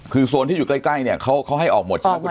คือโซนที่อยู่ใกล้เนี่ยเขาให้ออกหมดใช่ไหม